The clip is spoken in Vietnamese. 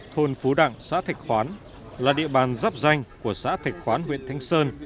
thôn phú đặng xã thạch khoán là địa bàn dắp danh của xã thạch khoán huyện thanh sơn